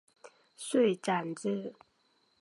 遂斩之。